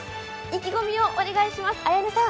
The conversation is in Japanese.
意気込みをお願いします。